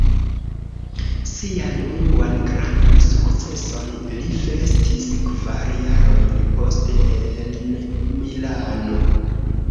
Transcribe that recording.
Sian unuan grandan sukceson li festis kvar jarojn poste en Milano.